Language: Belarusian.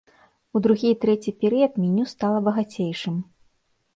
У другі і трэці перыяд меню стала багацейшым.